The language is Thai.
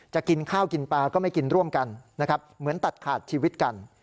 กินข้าวกินปลาก็ไม่กินร่วมกันนะครับเหมือนตัดขาดชีวิตกัน